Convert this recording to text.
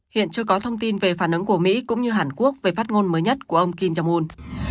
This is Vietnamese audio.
hiện chưa có thông tin về phản ứng của mỹ cũng như hàn quốc về phát ngôn mới nhất của ông kim jong un